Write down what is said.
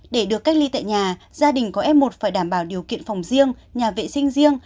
để được cách ly tại nhà gia đình có f một phải đảm bảo điều kiện phòng riêng nhà vệ sinh riêng